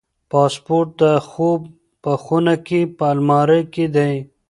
پاسپورت د خوب په خونه کې په المارۍ کې دی.